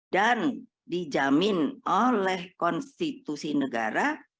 dan dijamin oleh konstitusi negara